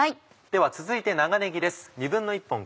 では続いて長ねぎです。